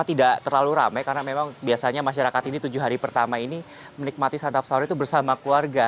tidak terlalu rame karena memang biasanya masyarakat ini tujuh hari pertama ini menikmati santap sahur itu bersama keluarga